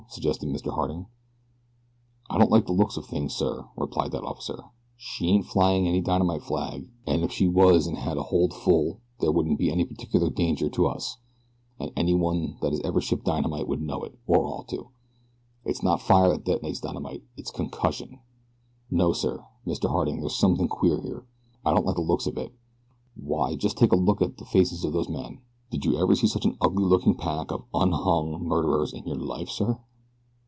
suggested Mr. Harding. "I don't like the looks of things, sir," replied that officer. "She ain't flyin' any dynamite flag, an' if she was an' had a hold full there wouldn't be any particular danger to us, an' anyone that has ever shipped dynamite would know it, or ought to. It's not fire that detonates dynamite, it's concussion. No sir, Mr. Harding, there's something queer here I don't like the looks of it. Why just take a good look at the faces of those men. Did you ever see such an ugly looking pack of unhung murderers in your life, sir?"